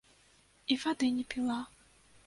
І вады не піла.